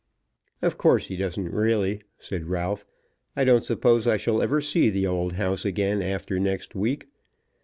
"Of course he doesn't really," said Ralph. "I don't suppose I shall ever see the old house again after next week.